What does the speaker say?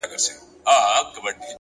لوړ فکر د بدلون تخم شیندي,